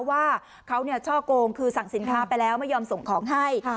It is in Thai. ว่าเขาช่อกงคือสั่งสินค้าไปแล้วไม่ยอมส่งของให้